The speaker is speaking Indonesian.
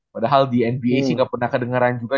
padahal di nba sih gak pernah kedengaran juga